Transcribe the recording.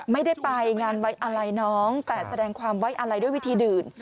ไม่ได้ไปงานไว้อะไรน้องแต่แสดงความไว้อะไรด้วยวิธีอื่น